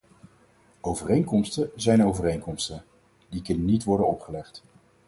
Overeenkomsten zijn overeenkomsten, die kunnen niet worden opgelegd.